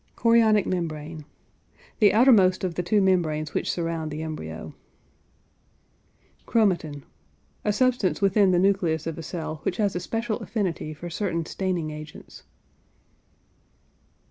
CHORIONIC MEMBRANE. The outermost of the two membranes which surround the embryo. CHROMATIN. A substance within the nucleus of a cell which has a special affinity for certain staining agents.